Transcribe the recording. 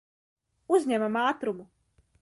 Uzņemam ātrumu.